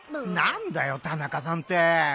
何だよ田中さんって。